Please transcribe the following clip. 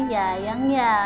ya yang ya